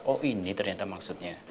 oh ini ternyata maksudnya